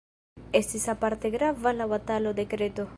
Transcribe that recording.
Estis aparte grava la Batalo de Kreto.